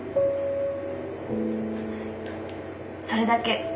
それだけ。